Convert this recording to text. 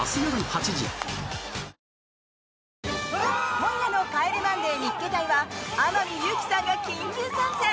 今夜の「帰れマンデー見っけ隊！！」は天海祐希さんが緊急参戦。